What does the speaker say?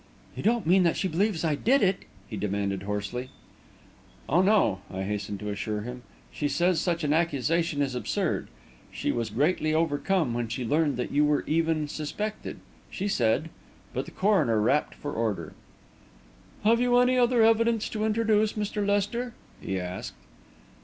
"You don't mean that she believes I did it!" he demanded hoarsely. "Oh, no," I hastened to assure him; "she says such an accusation is absurd; she was greatly overcome when she learned that you were even suspected; she said...." But the coroner rapped for order. "Have you any other evidence to introduce, Mr. Lester?" he asked.